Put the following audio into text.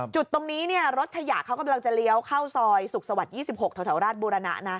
จุดตรงนี้รถขยะเขากำลังจะเลี้ยวเข้าซอยสุขสวรรค์๒๖แถวราชบูรณะนะ